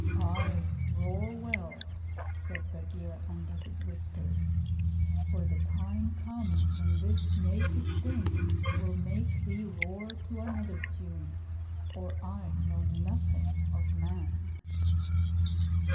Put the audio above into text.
'Ay, roar well,' said Bagheera, under his whiskers; 'for the time comes when this naked thing will make thee roar to another tune, or I know nothing of man.'